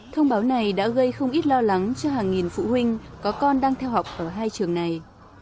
thông báo này đã gây không ít lo lắng cho hàng nghìn phụ huynh có con đang theo học ở hai trường này